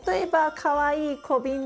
かわいい。